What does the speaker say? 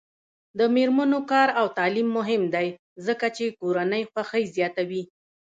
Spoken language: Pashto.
د میرمنو کار او تعلیم مهم دی ځکه چې کورنۍ خوښۍ زیاتوي.